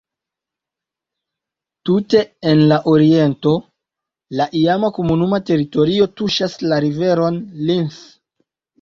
Tute en la oriento la iama komunuma teritorio tuŝas la riveron Linth.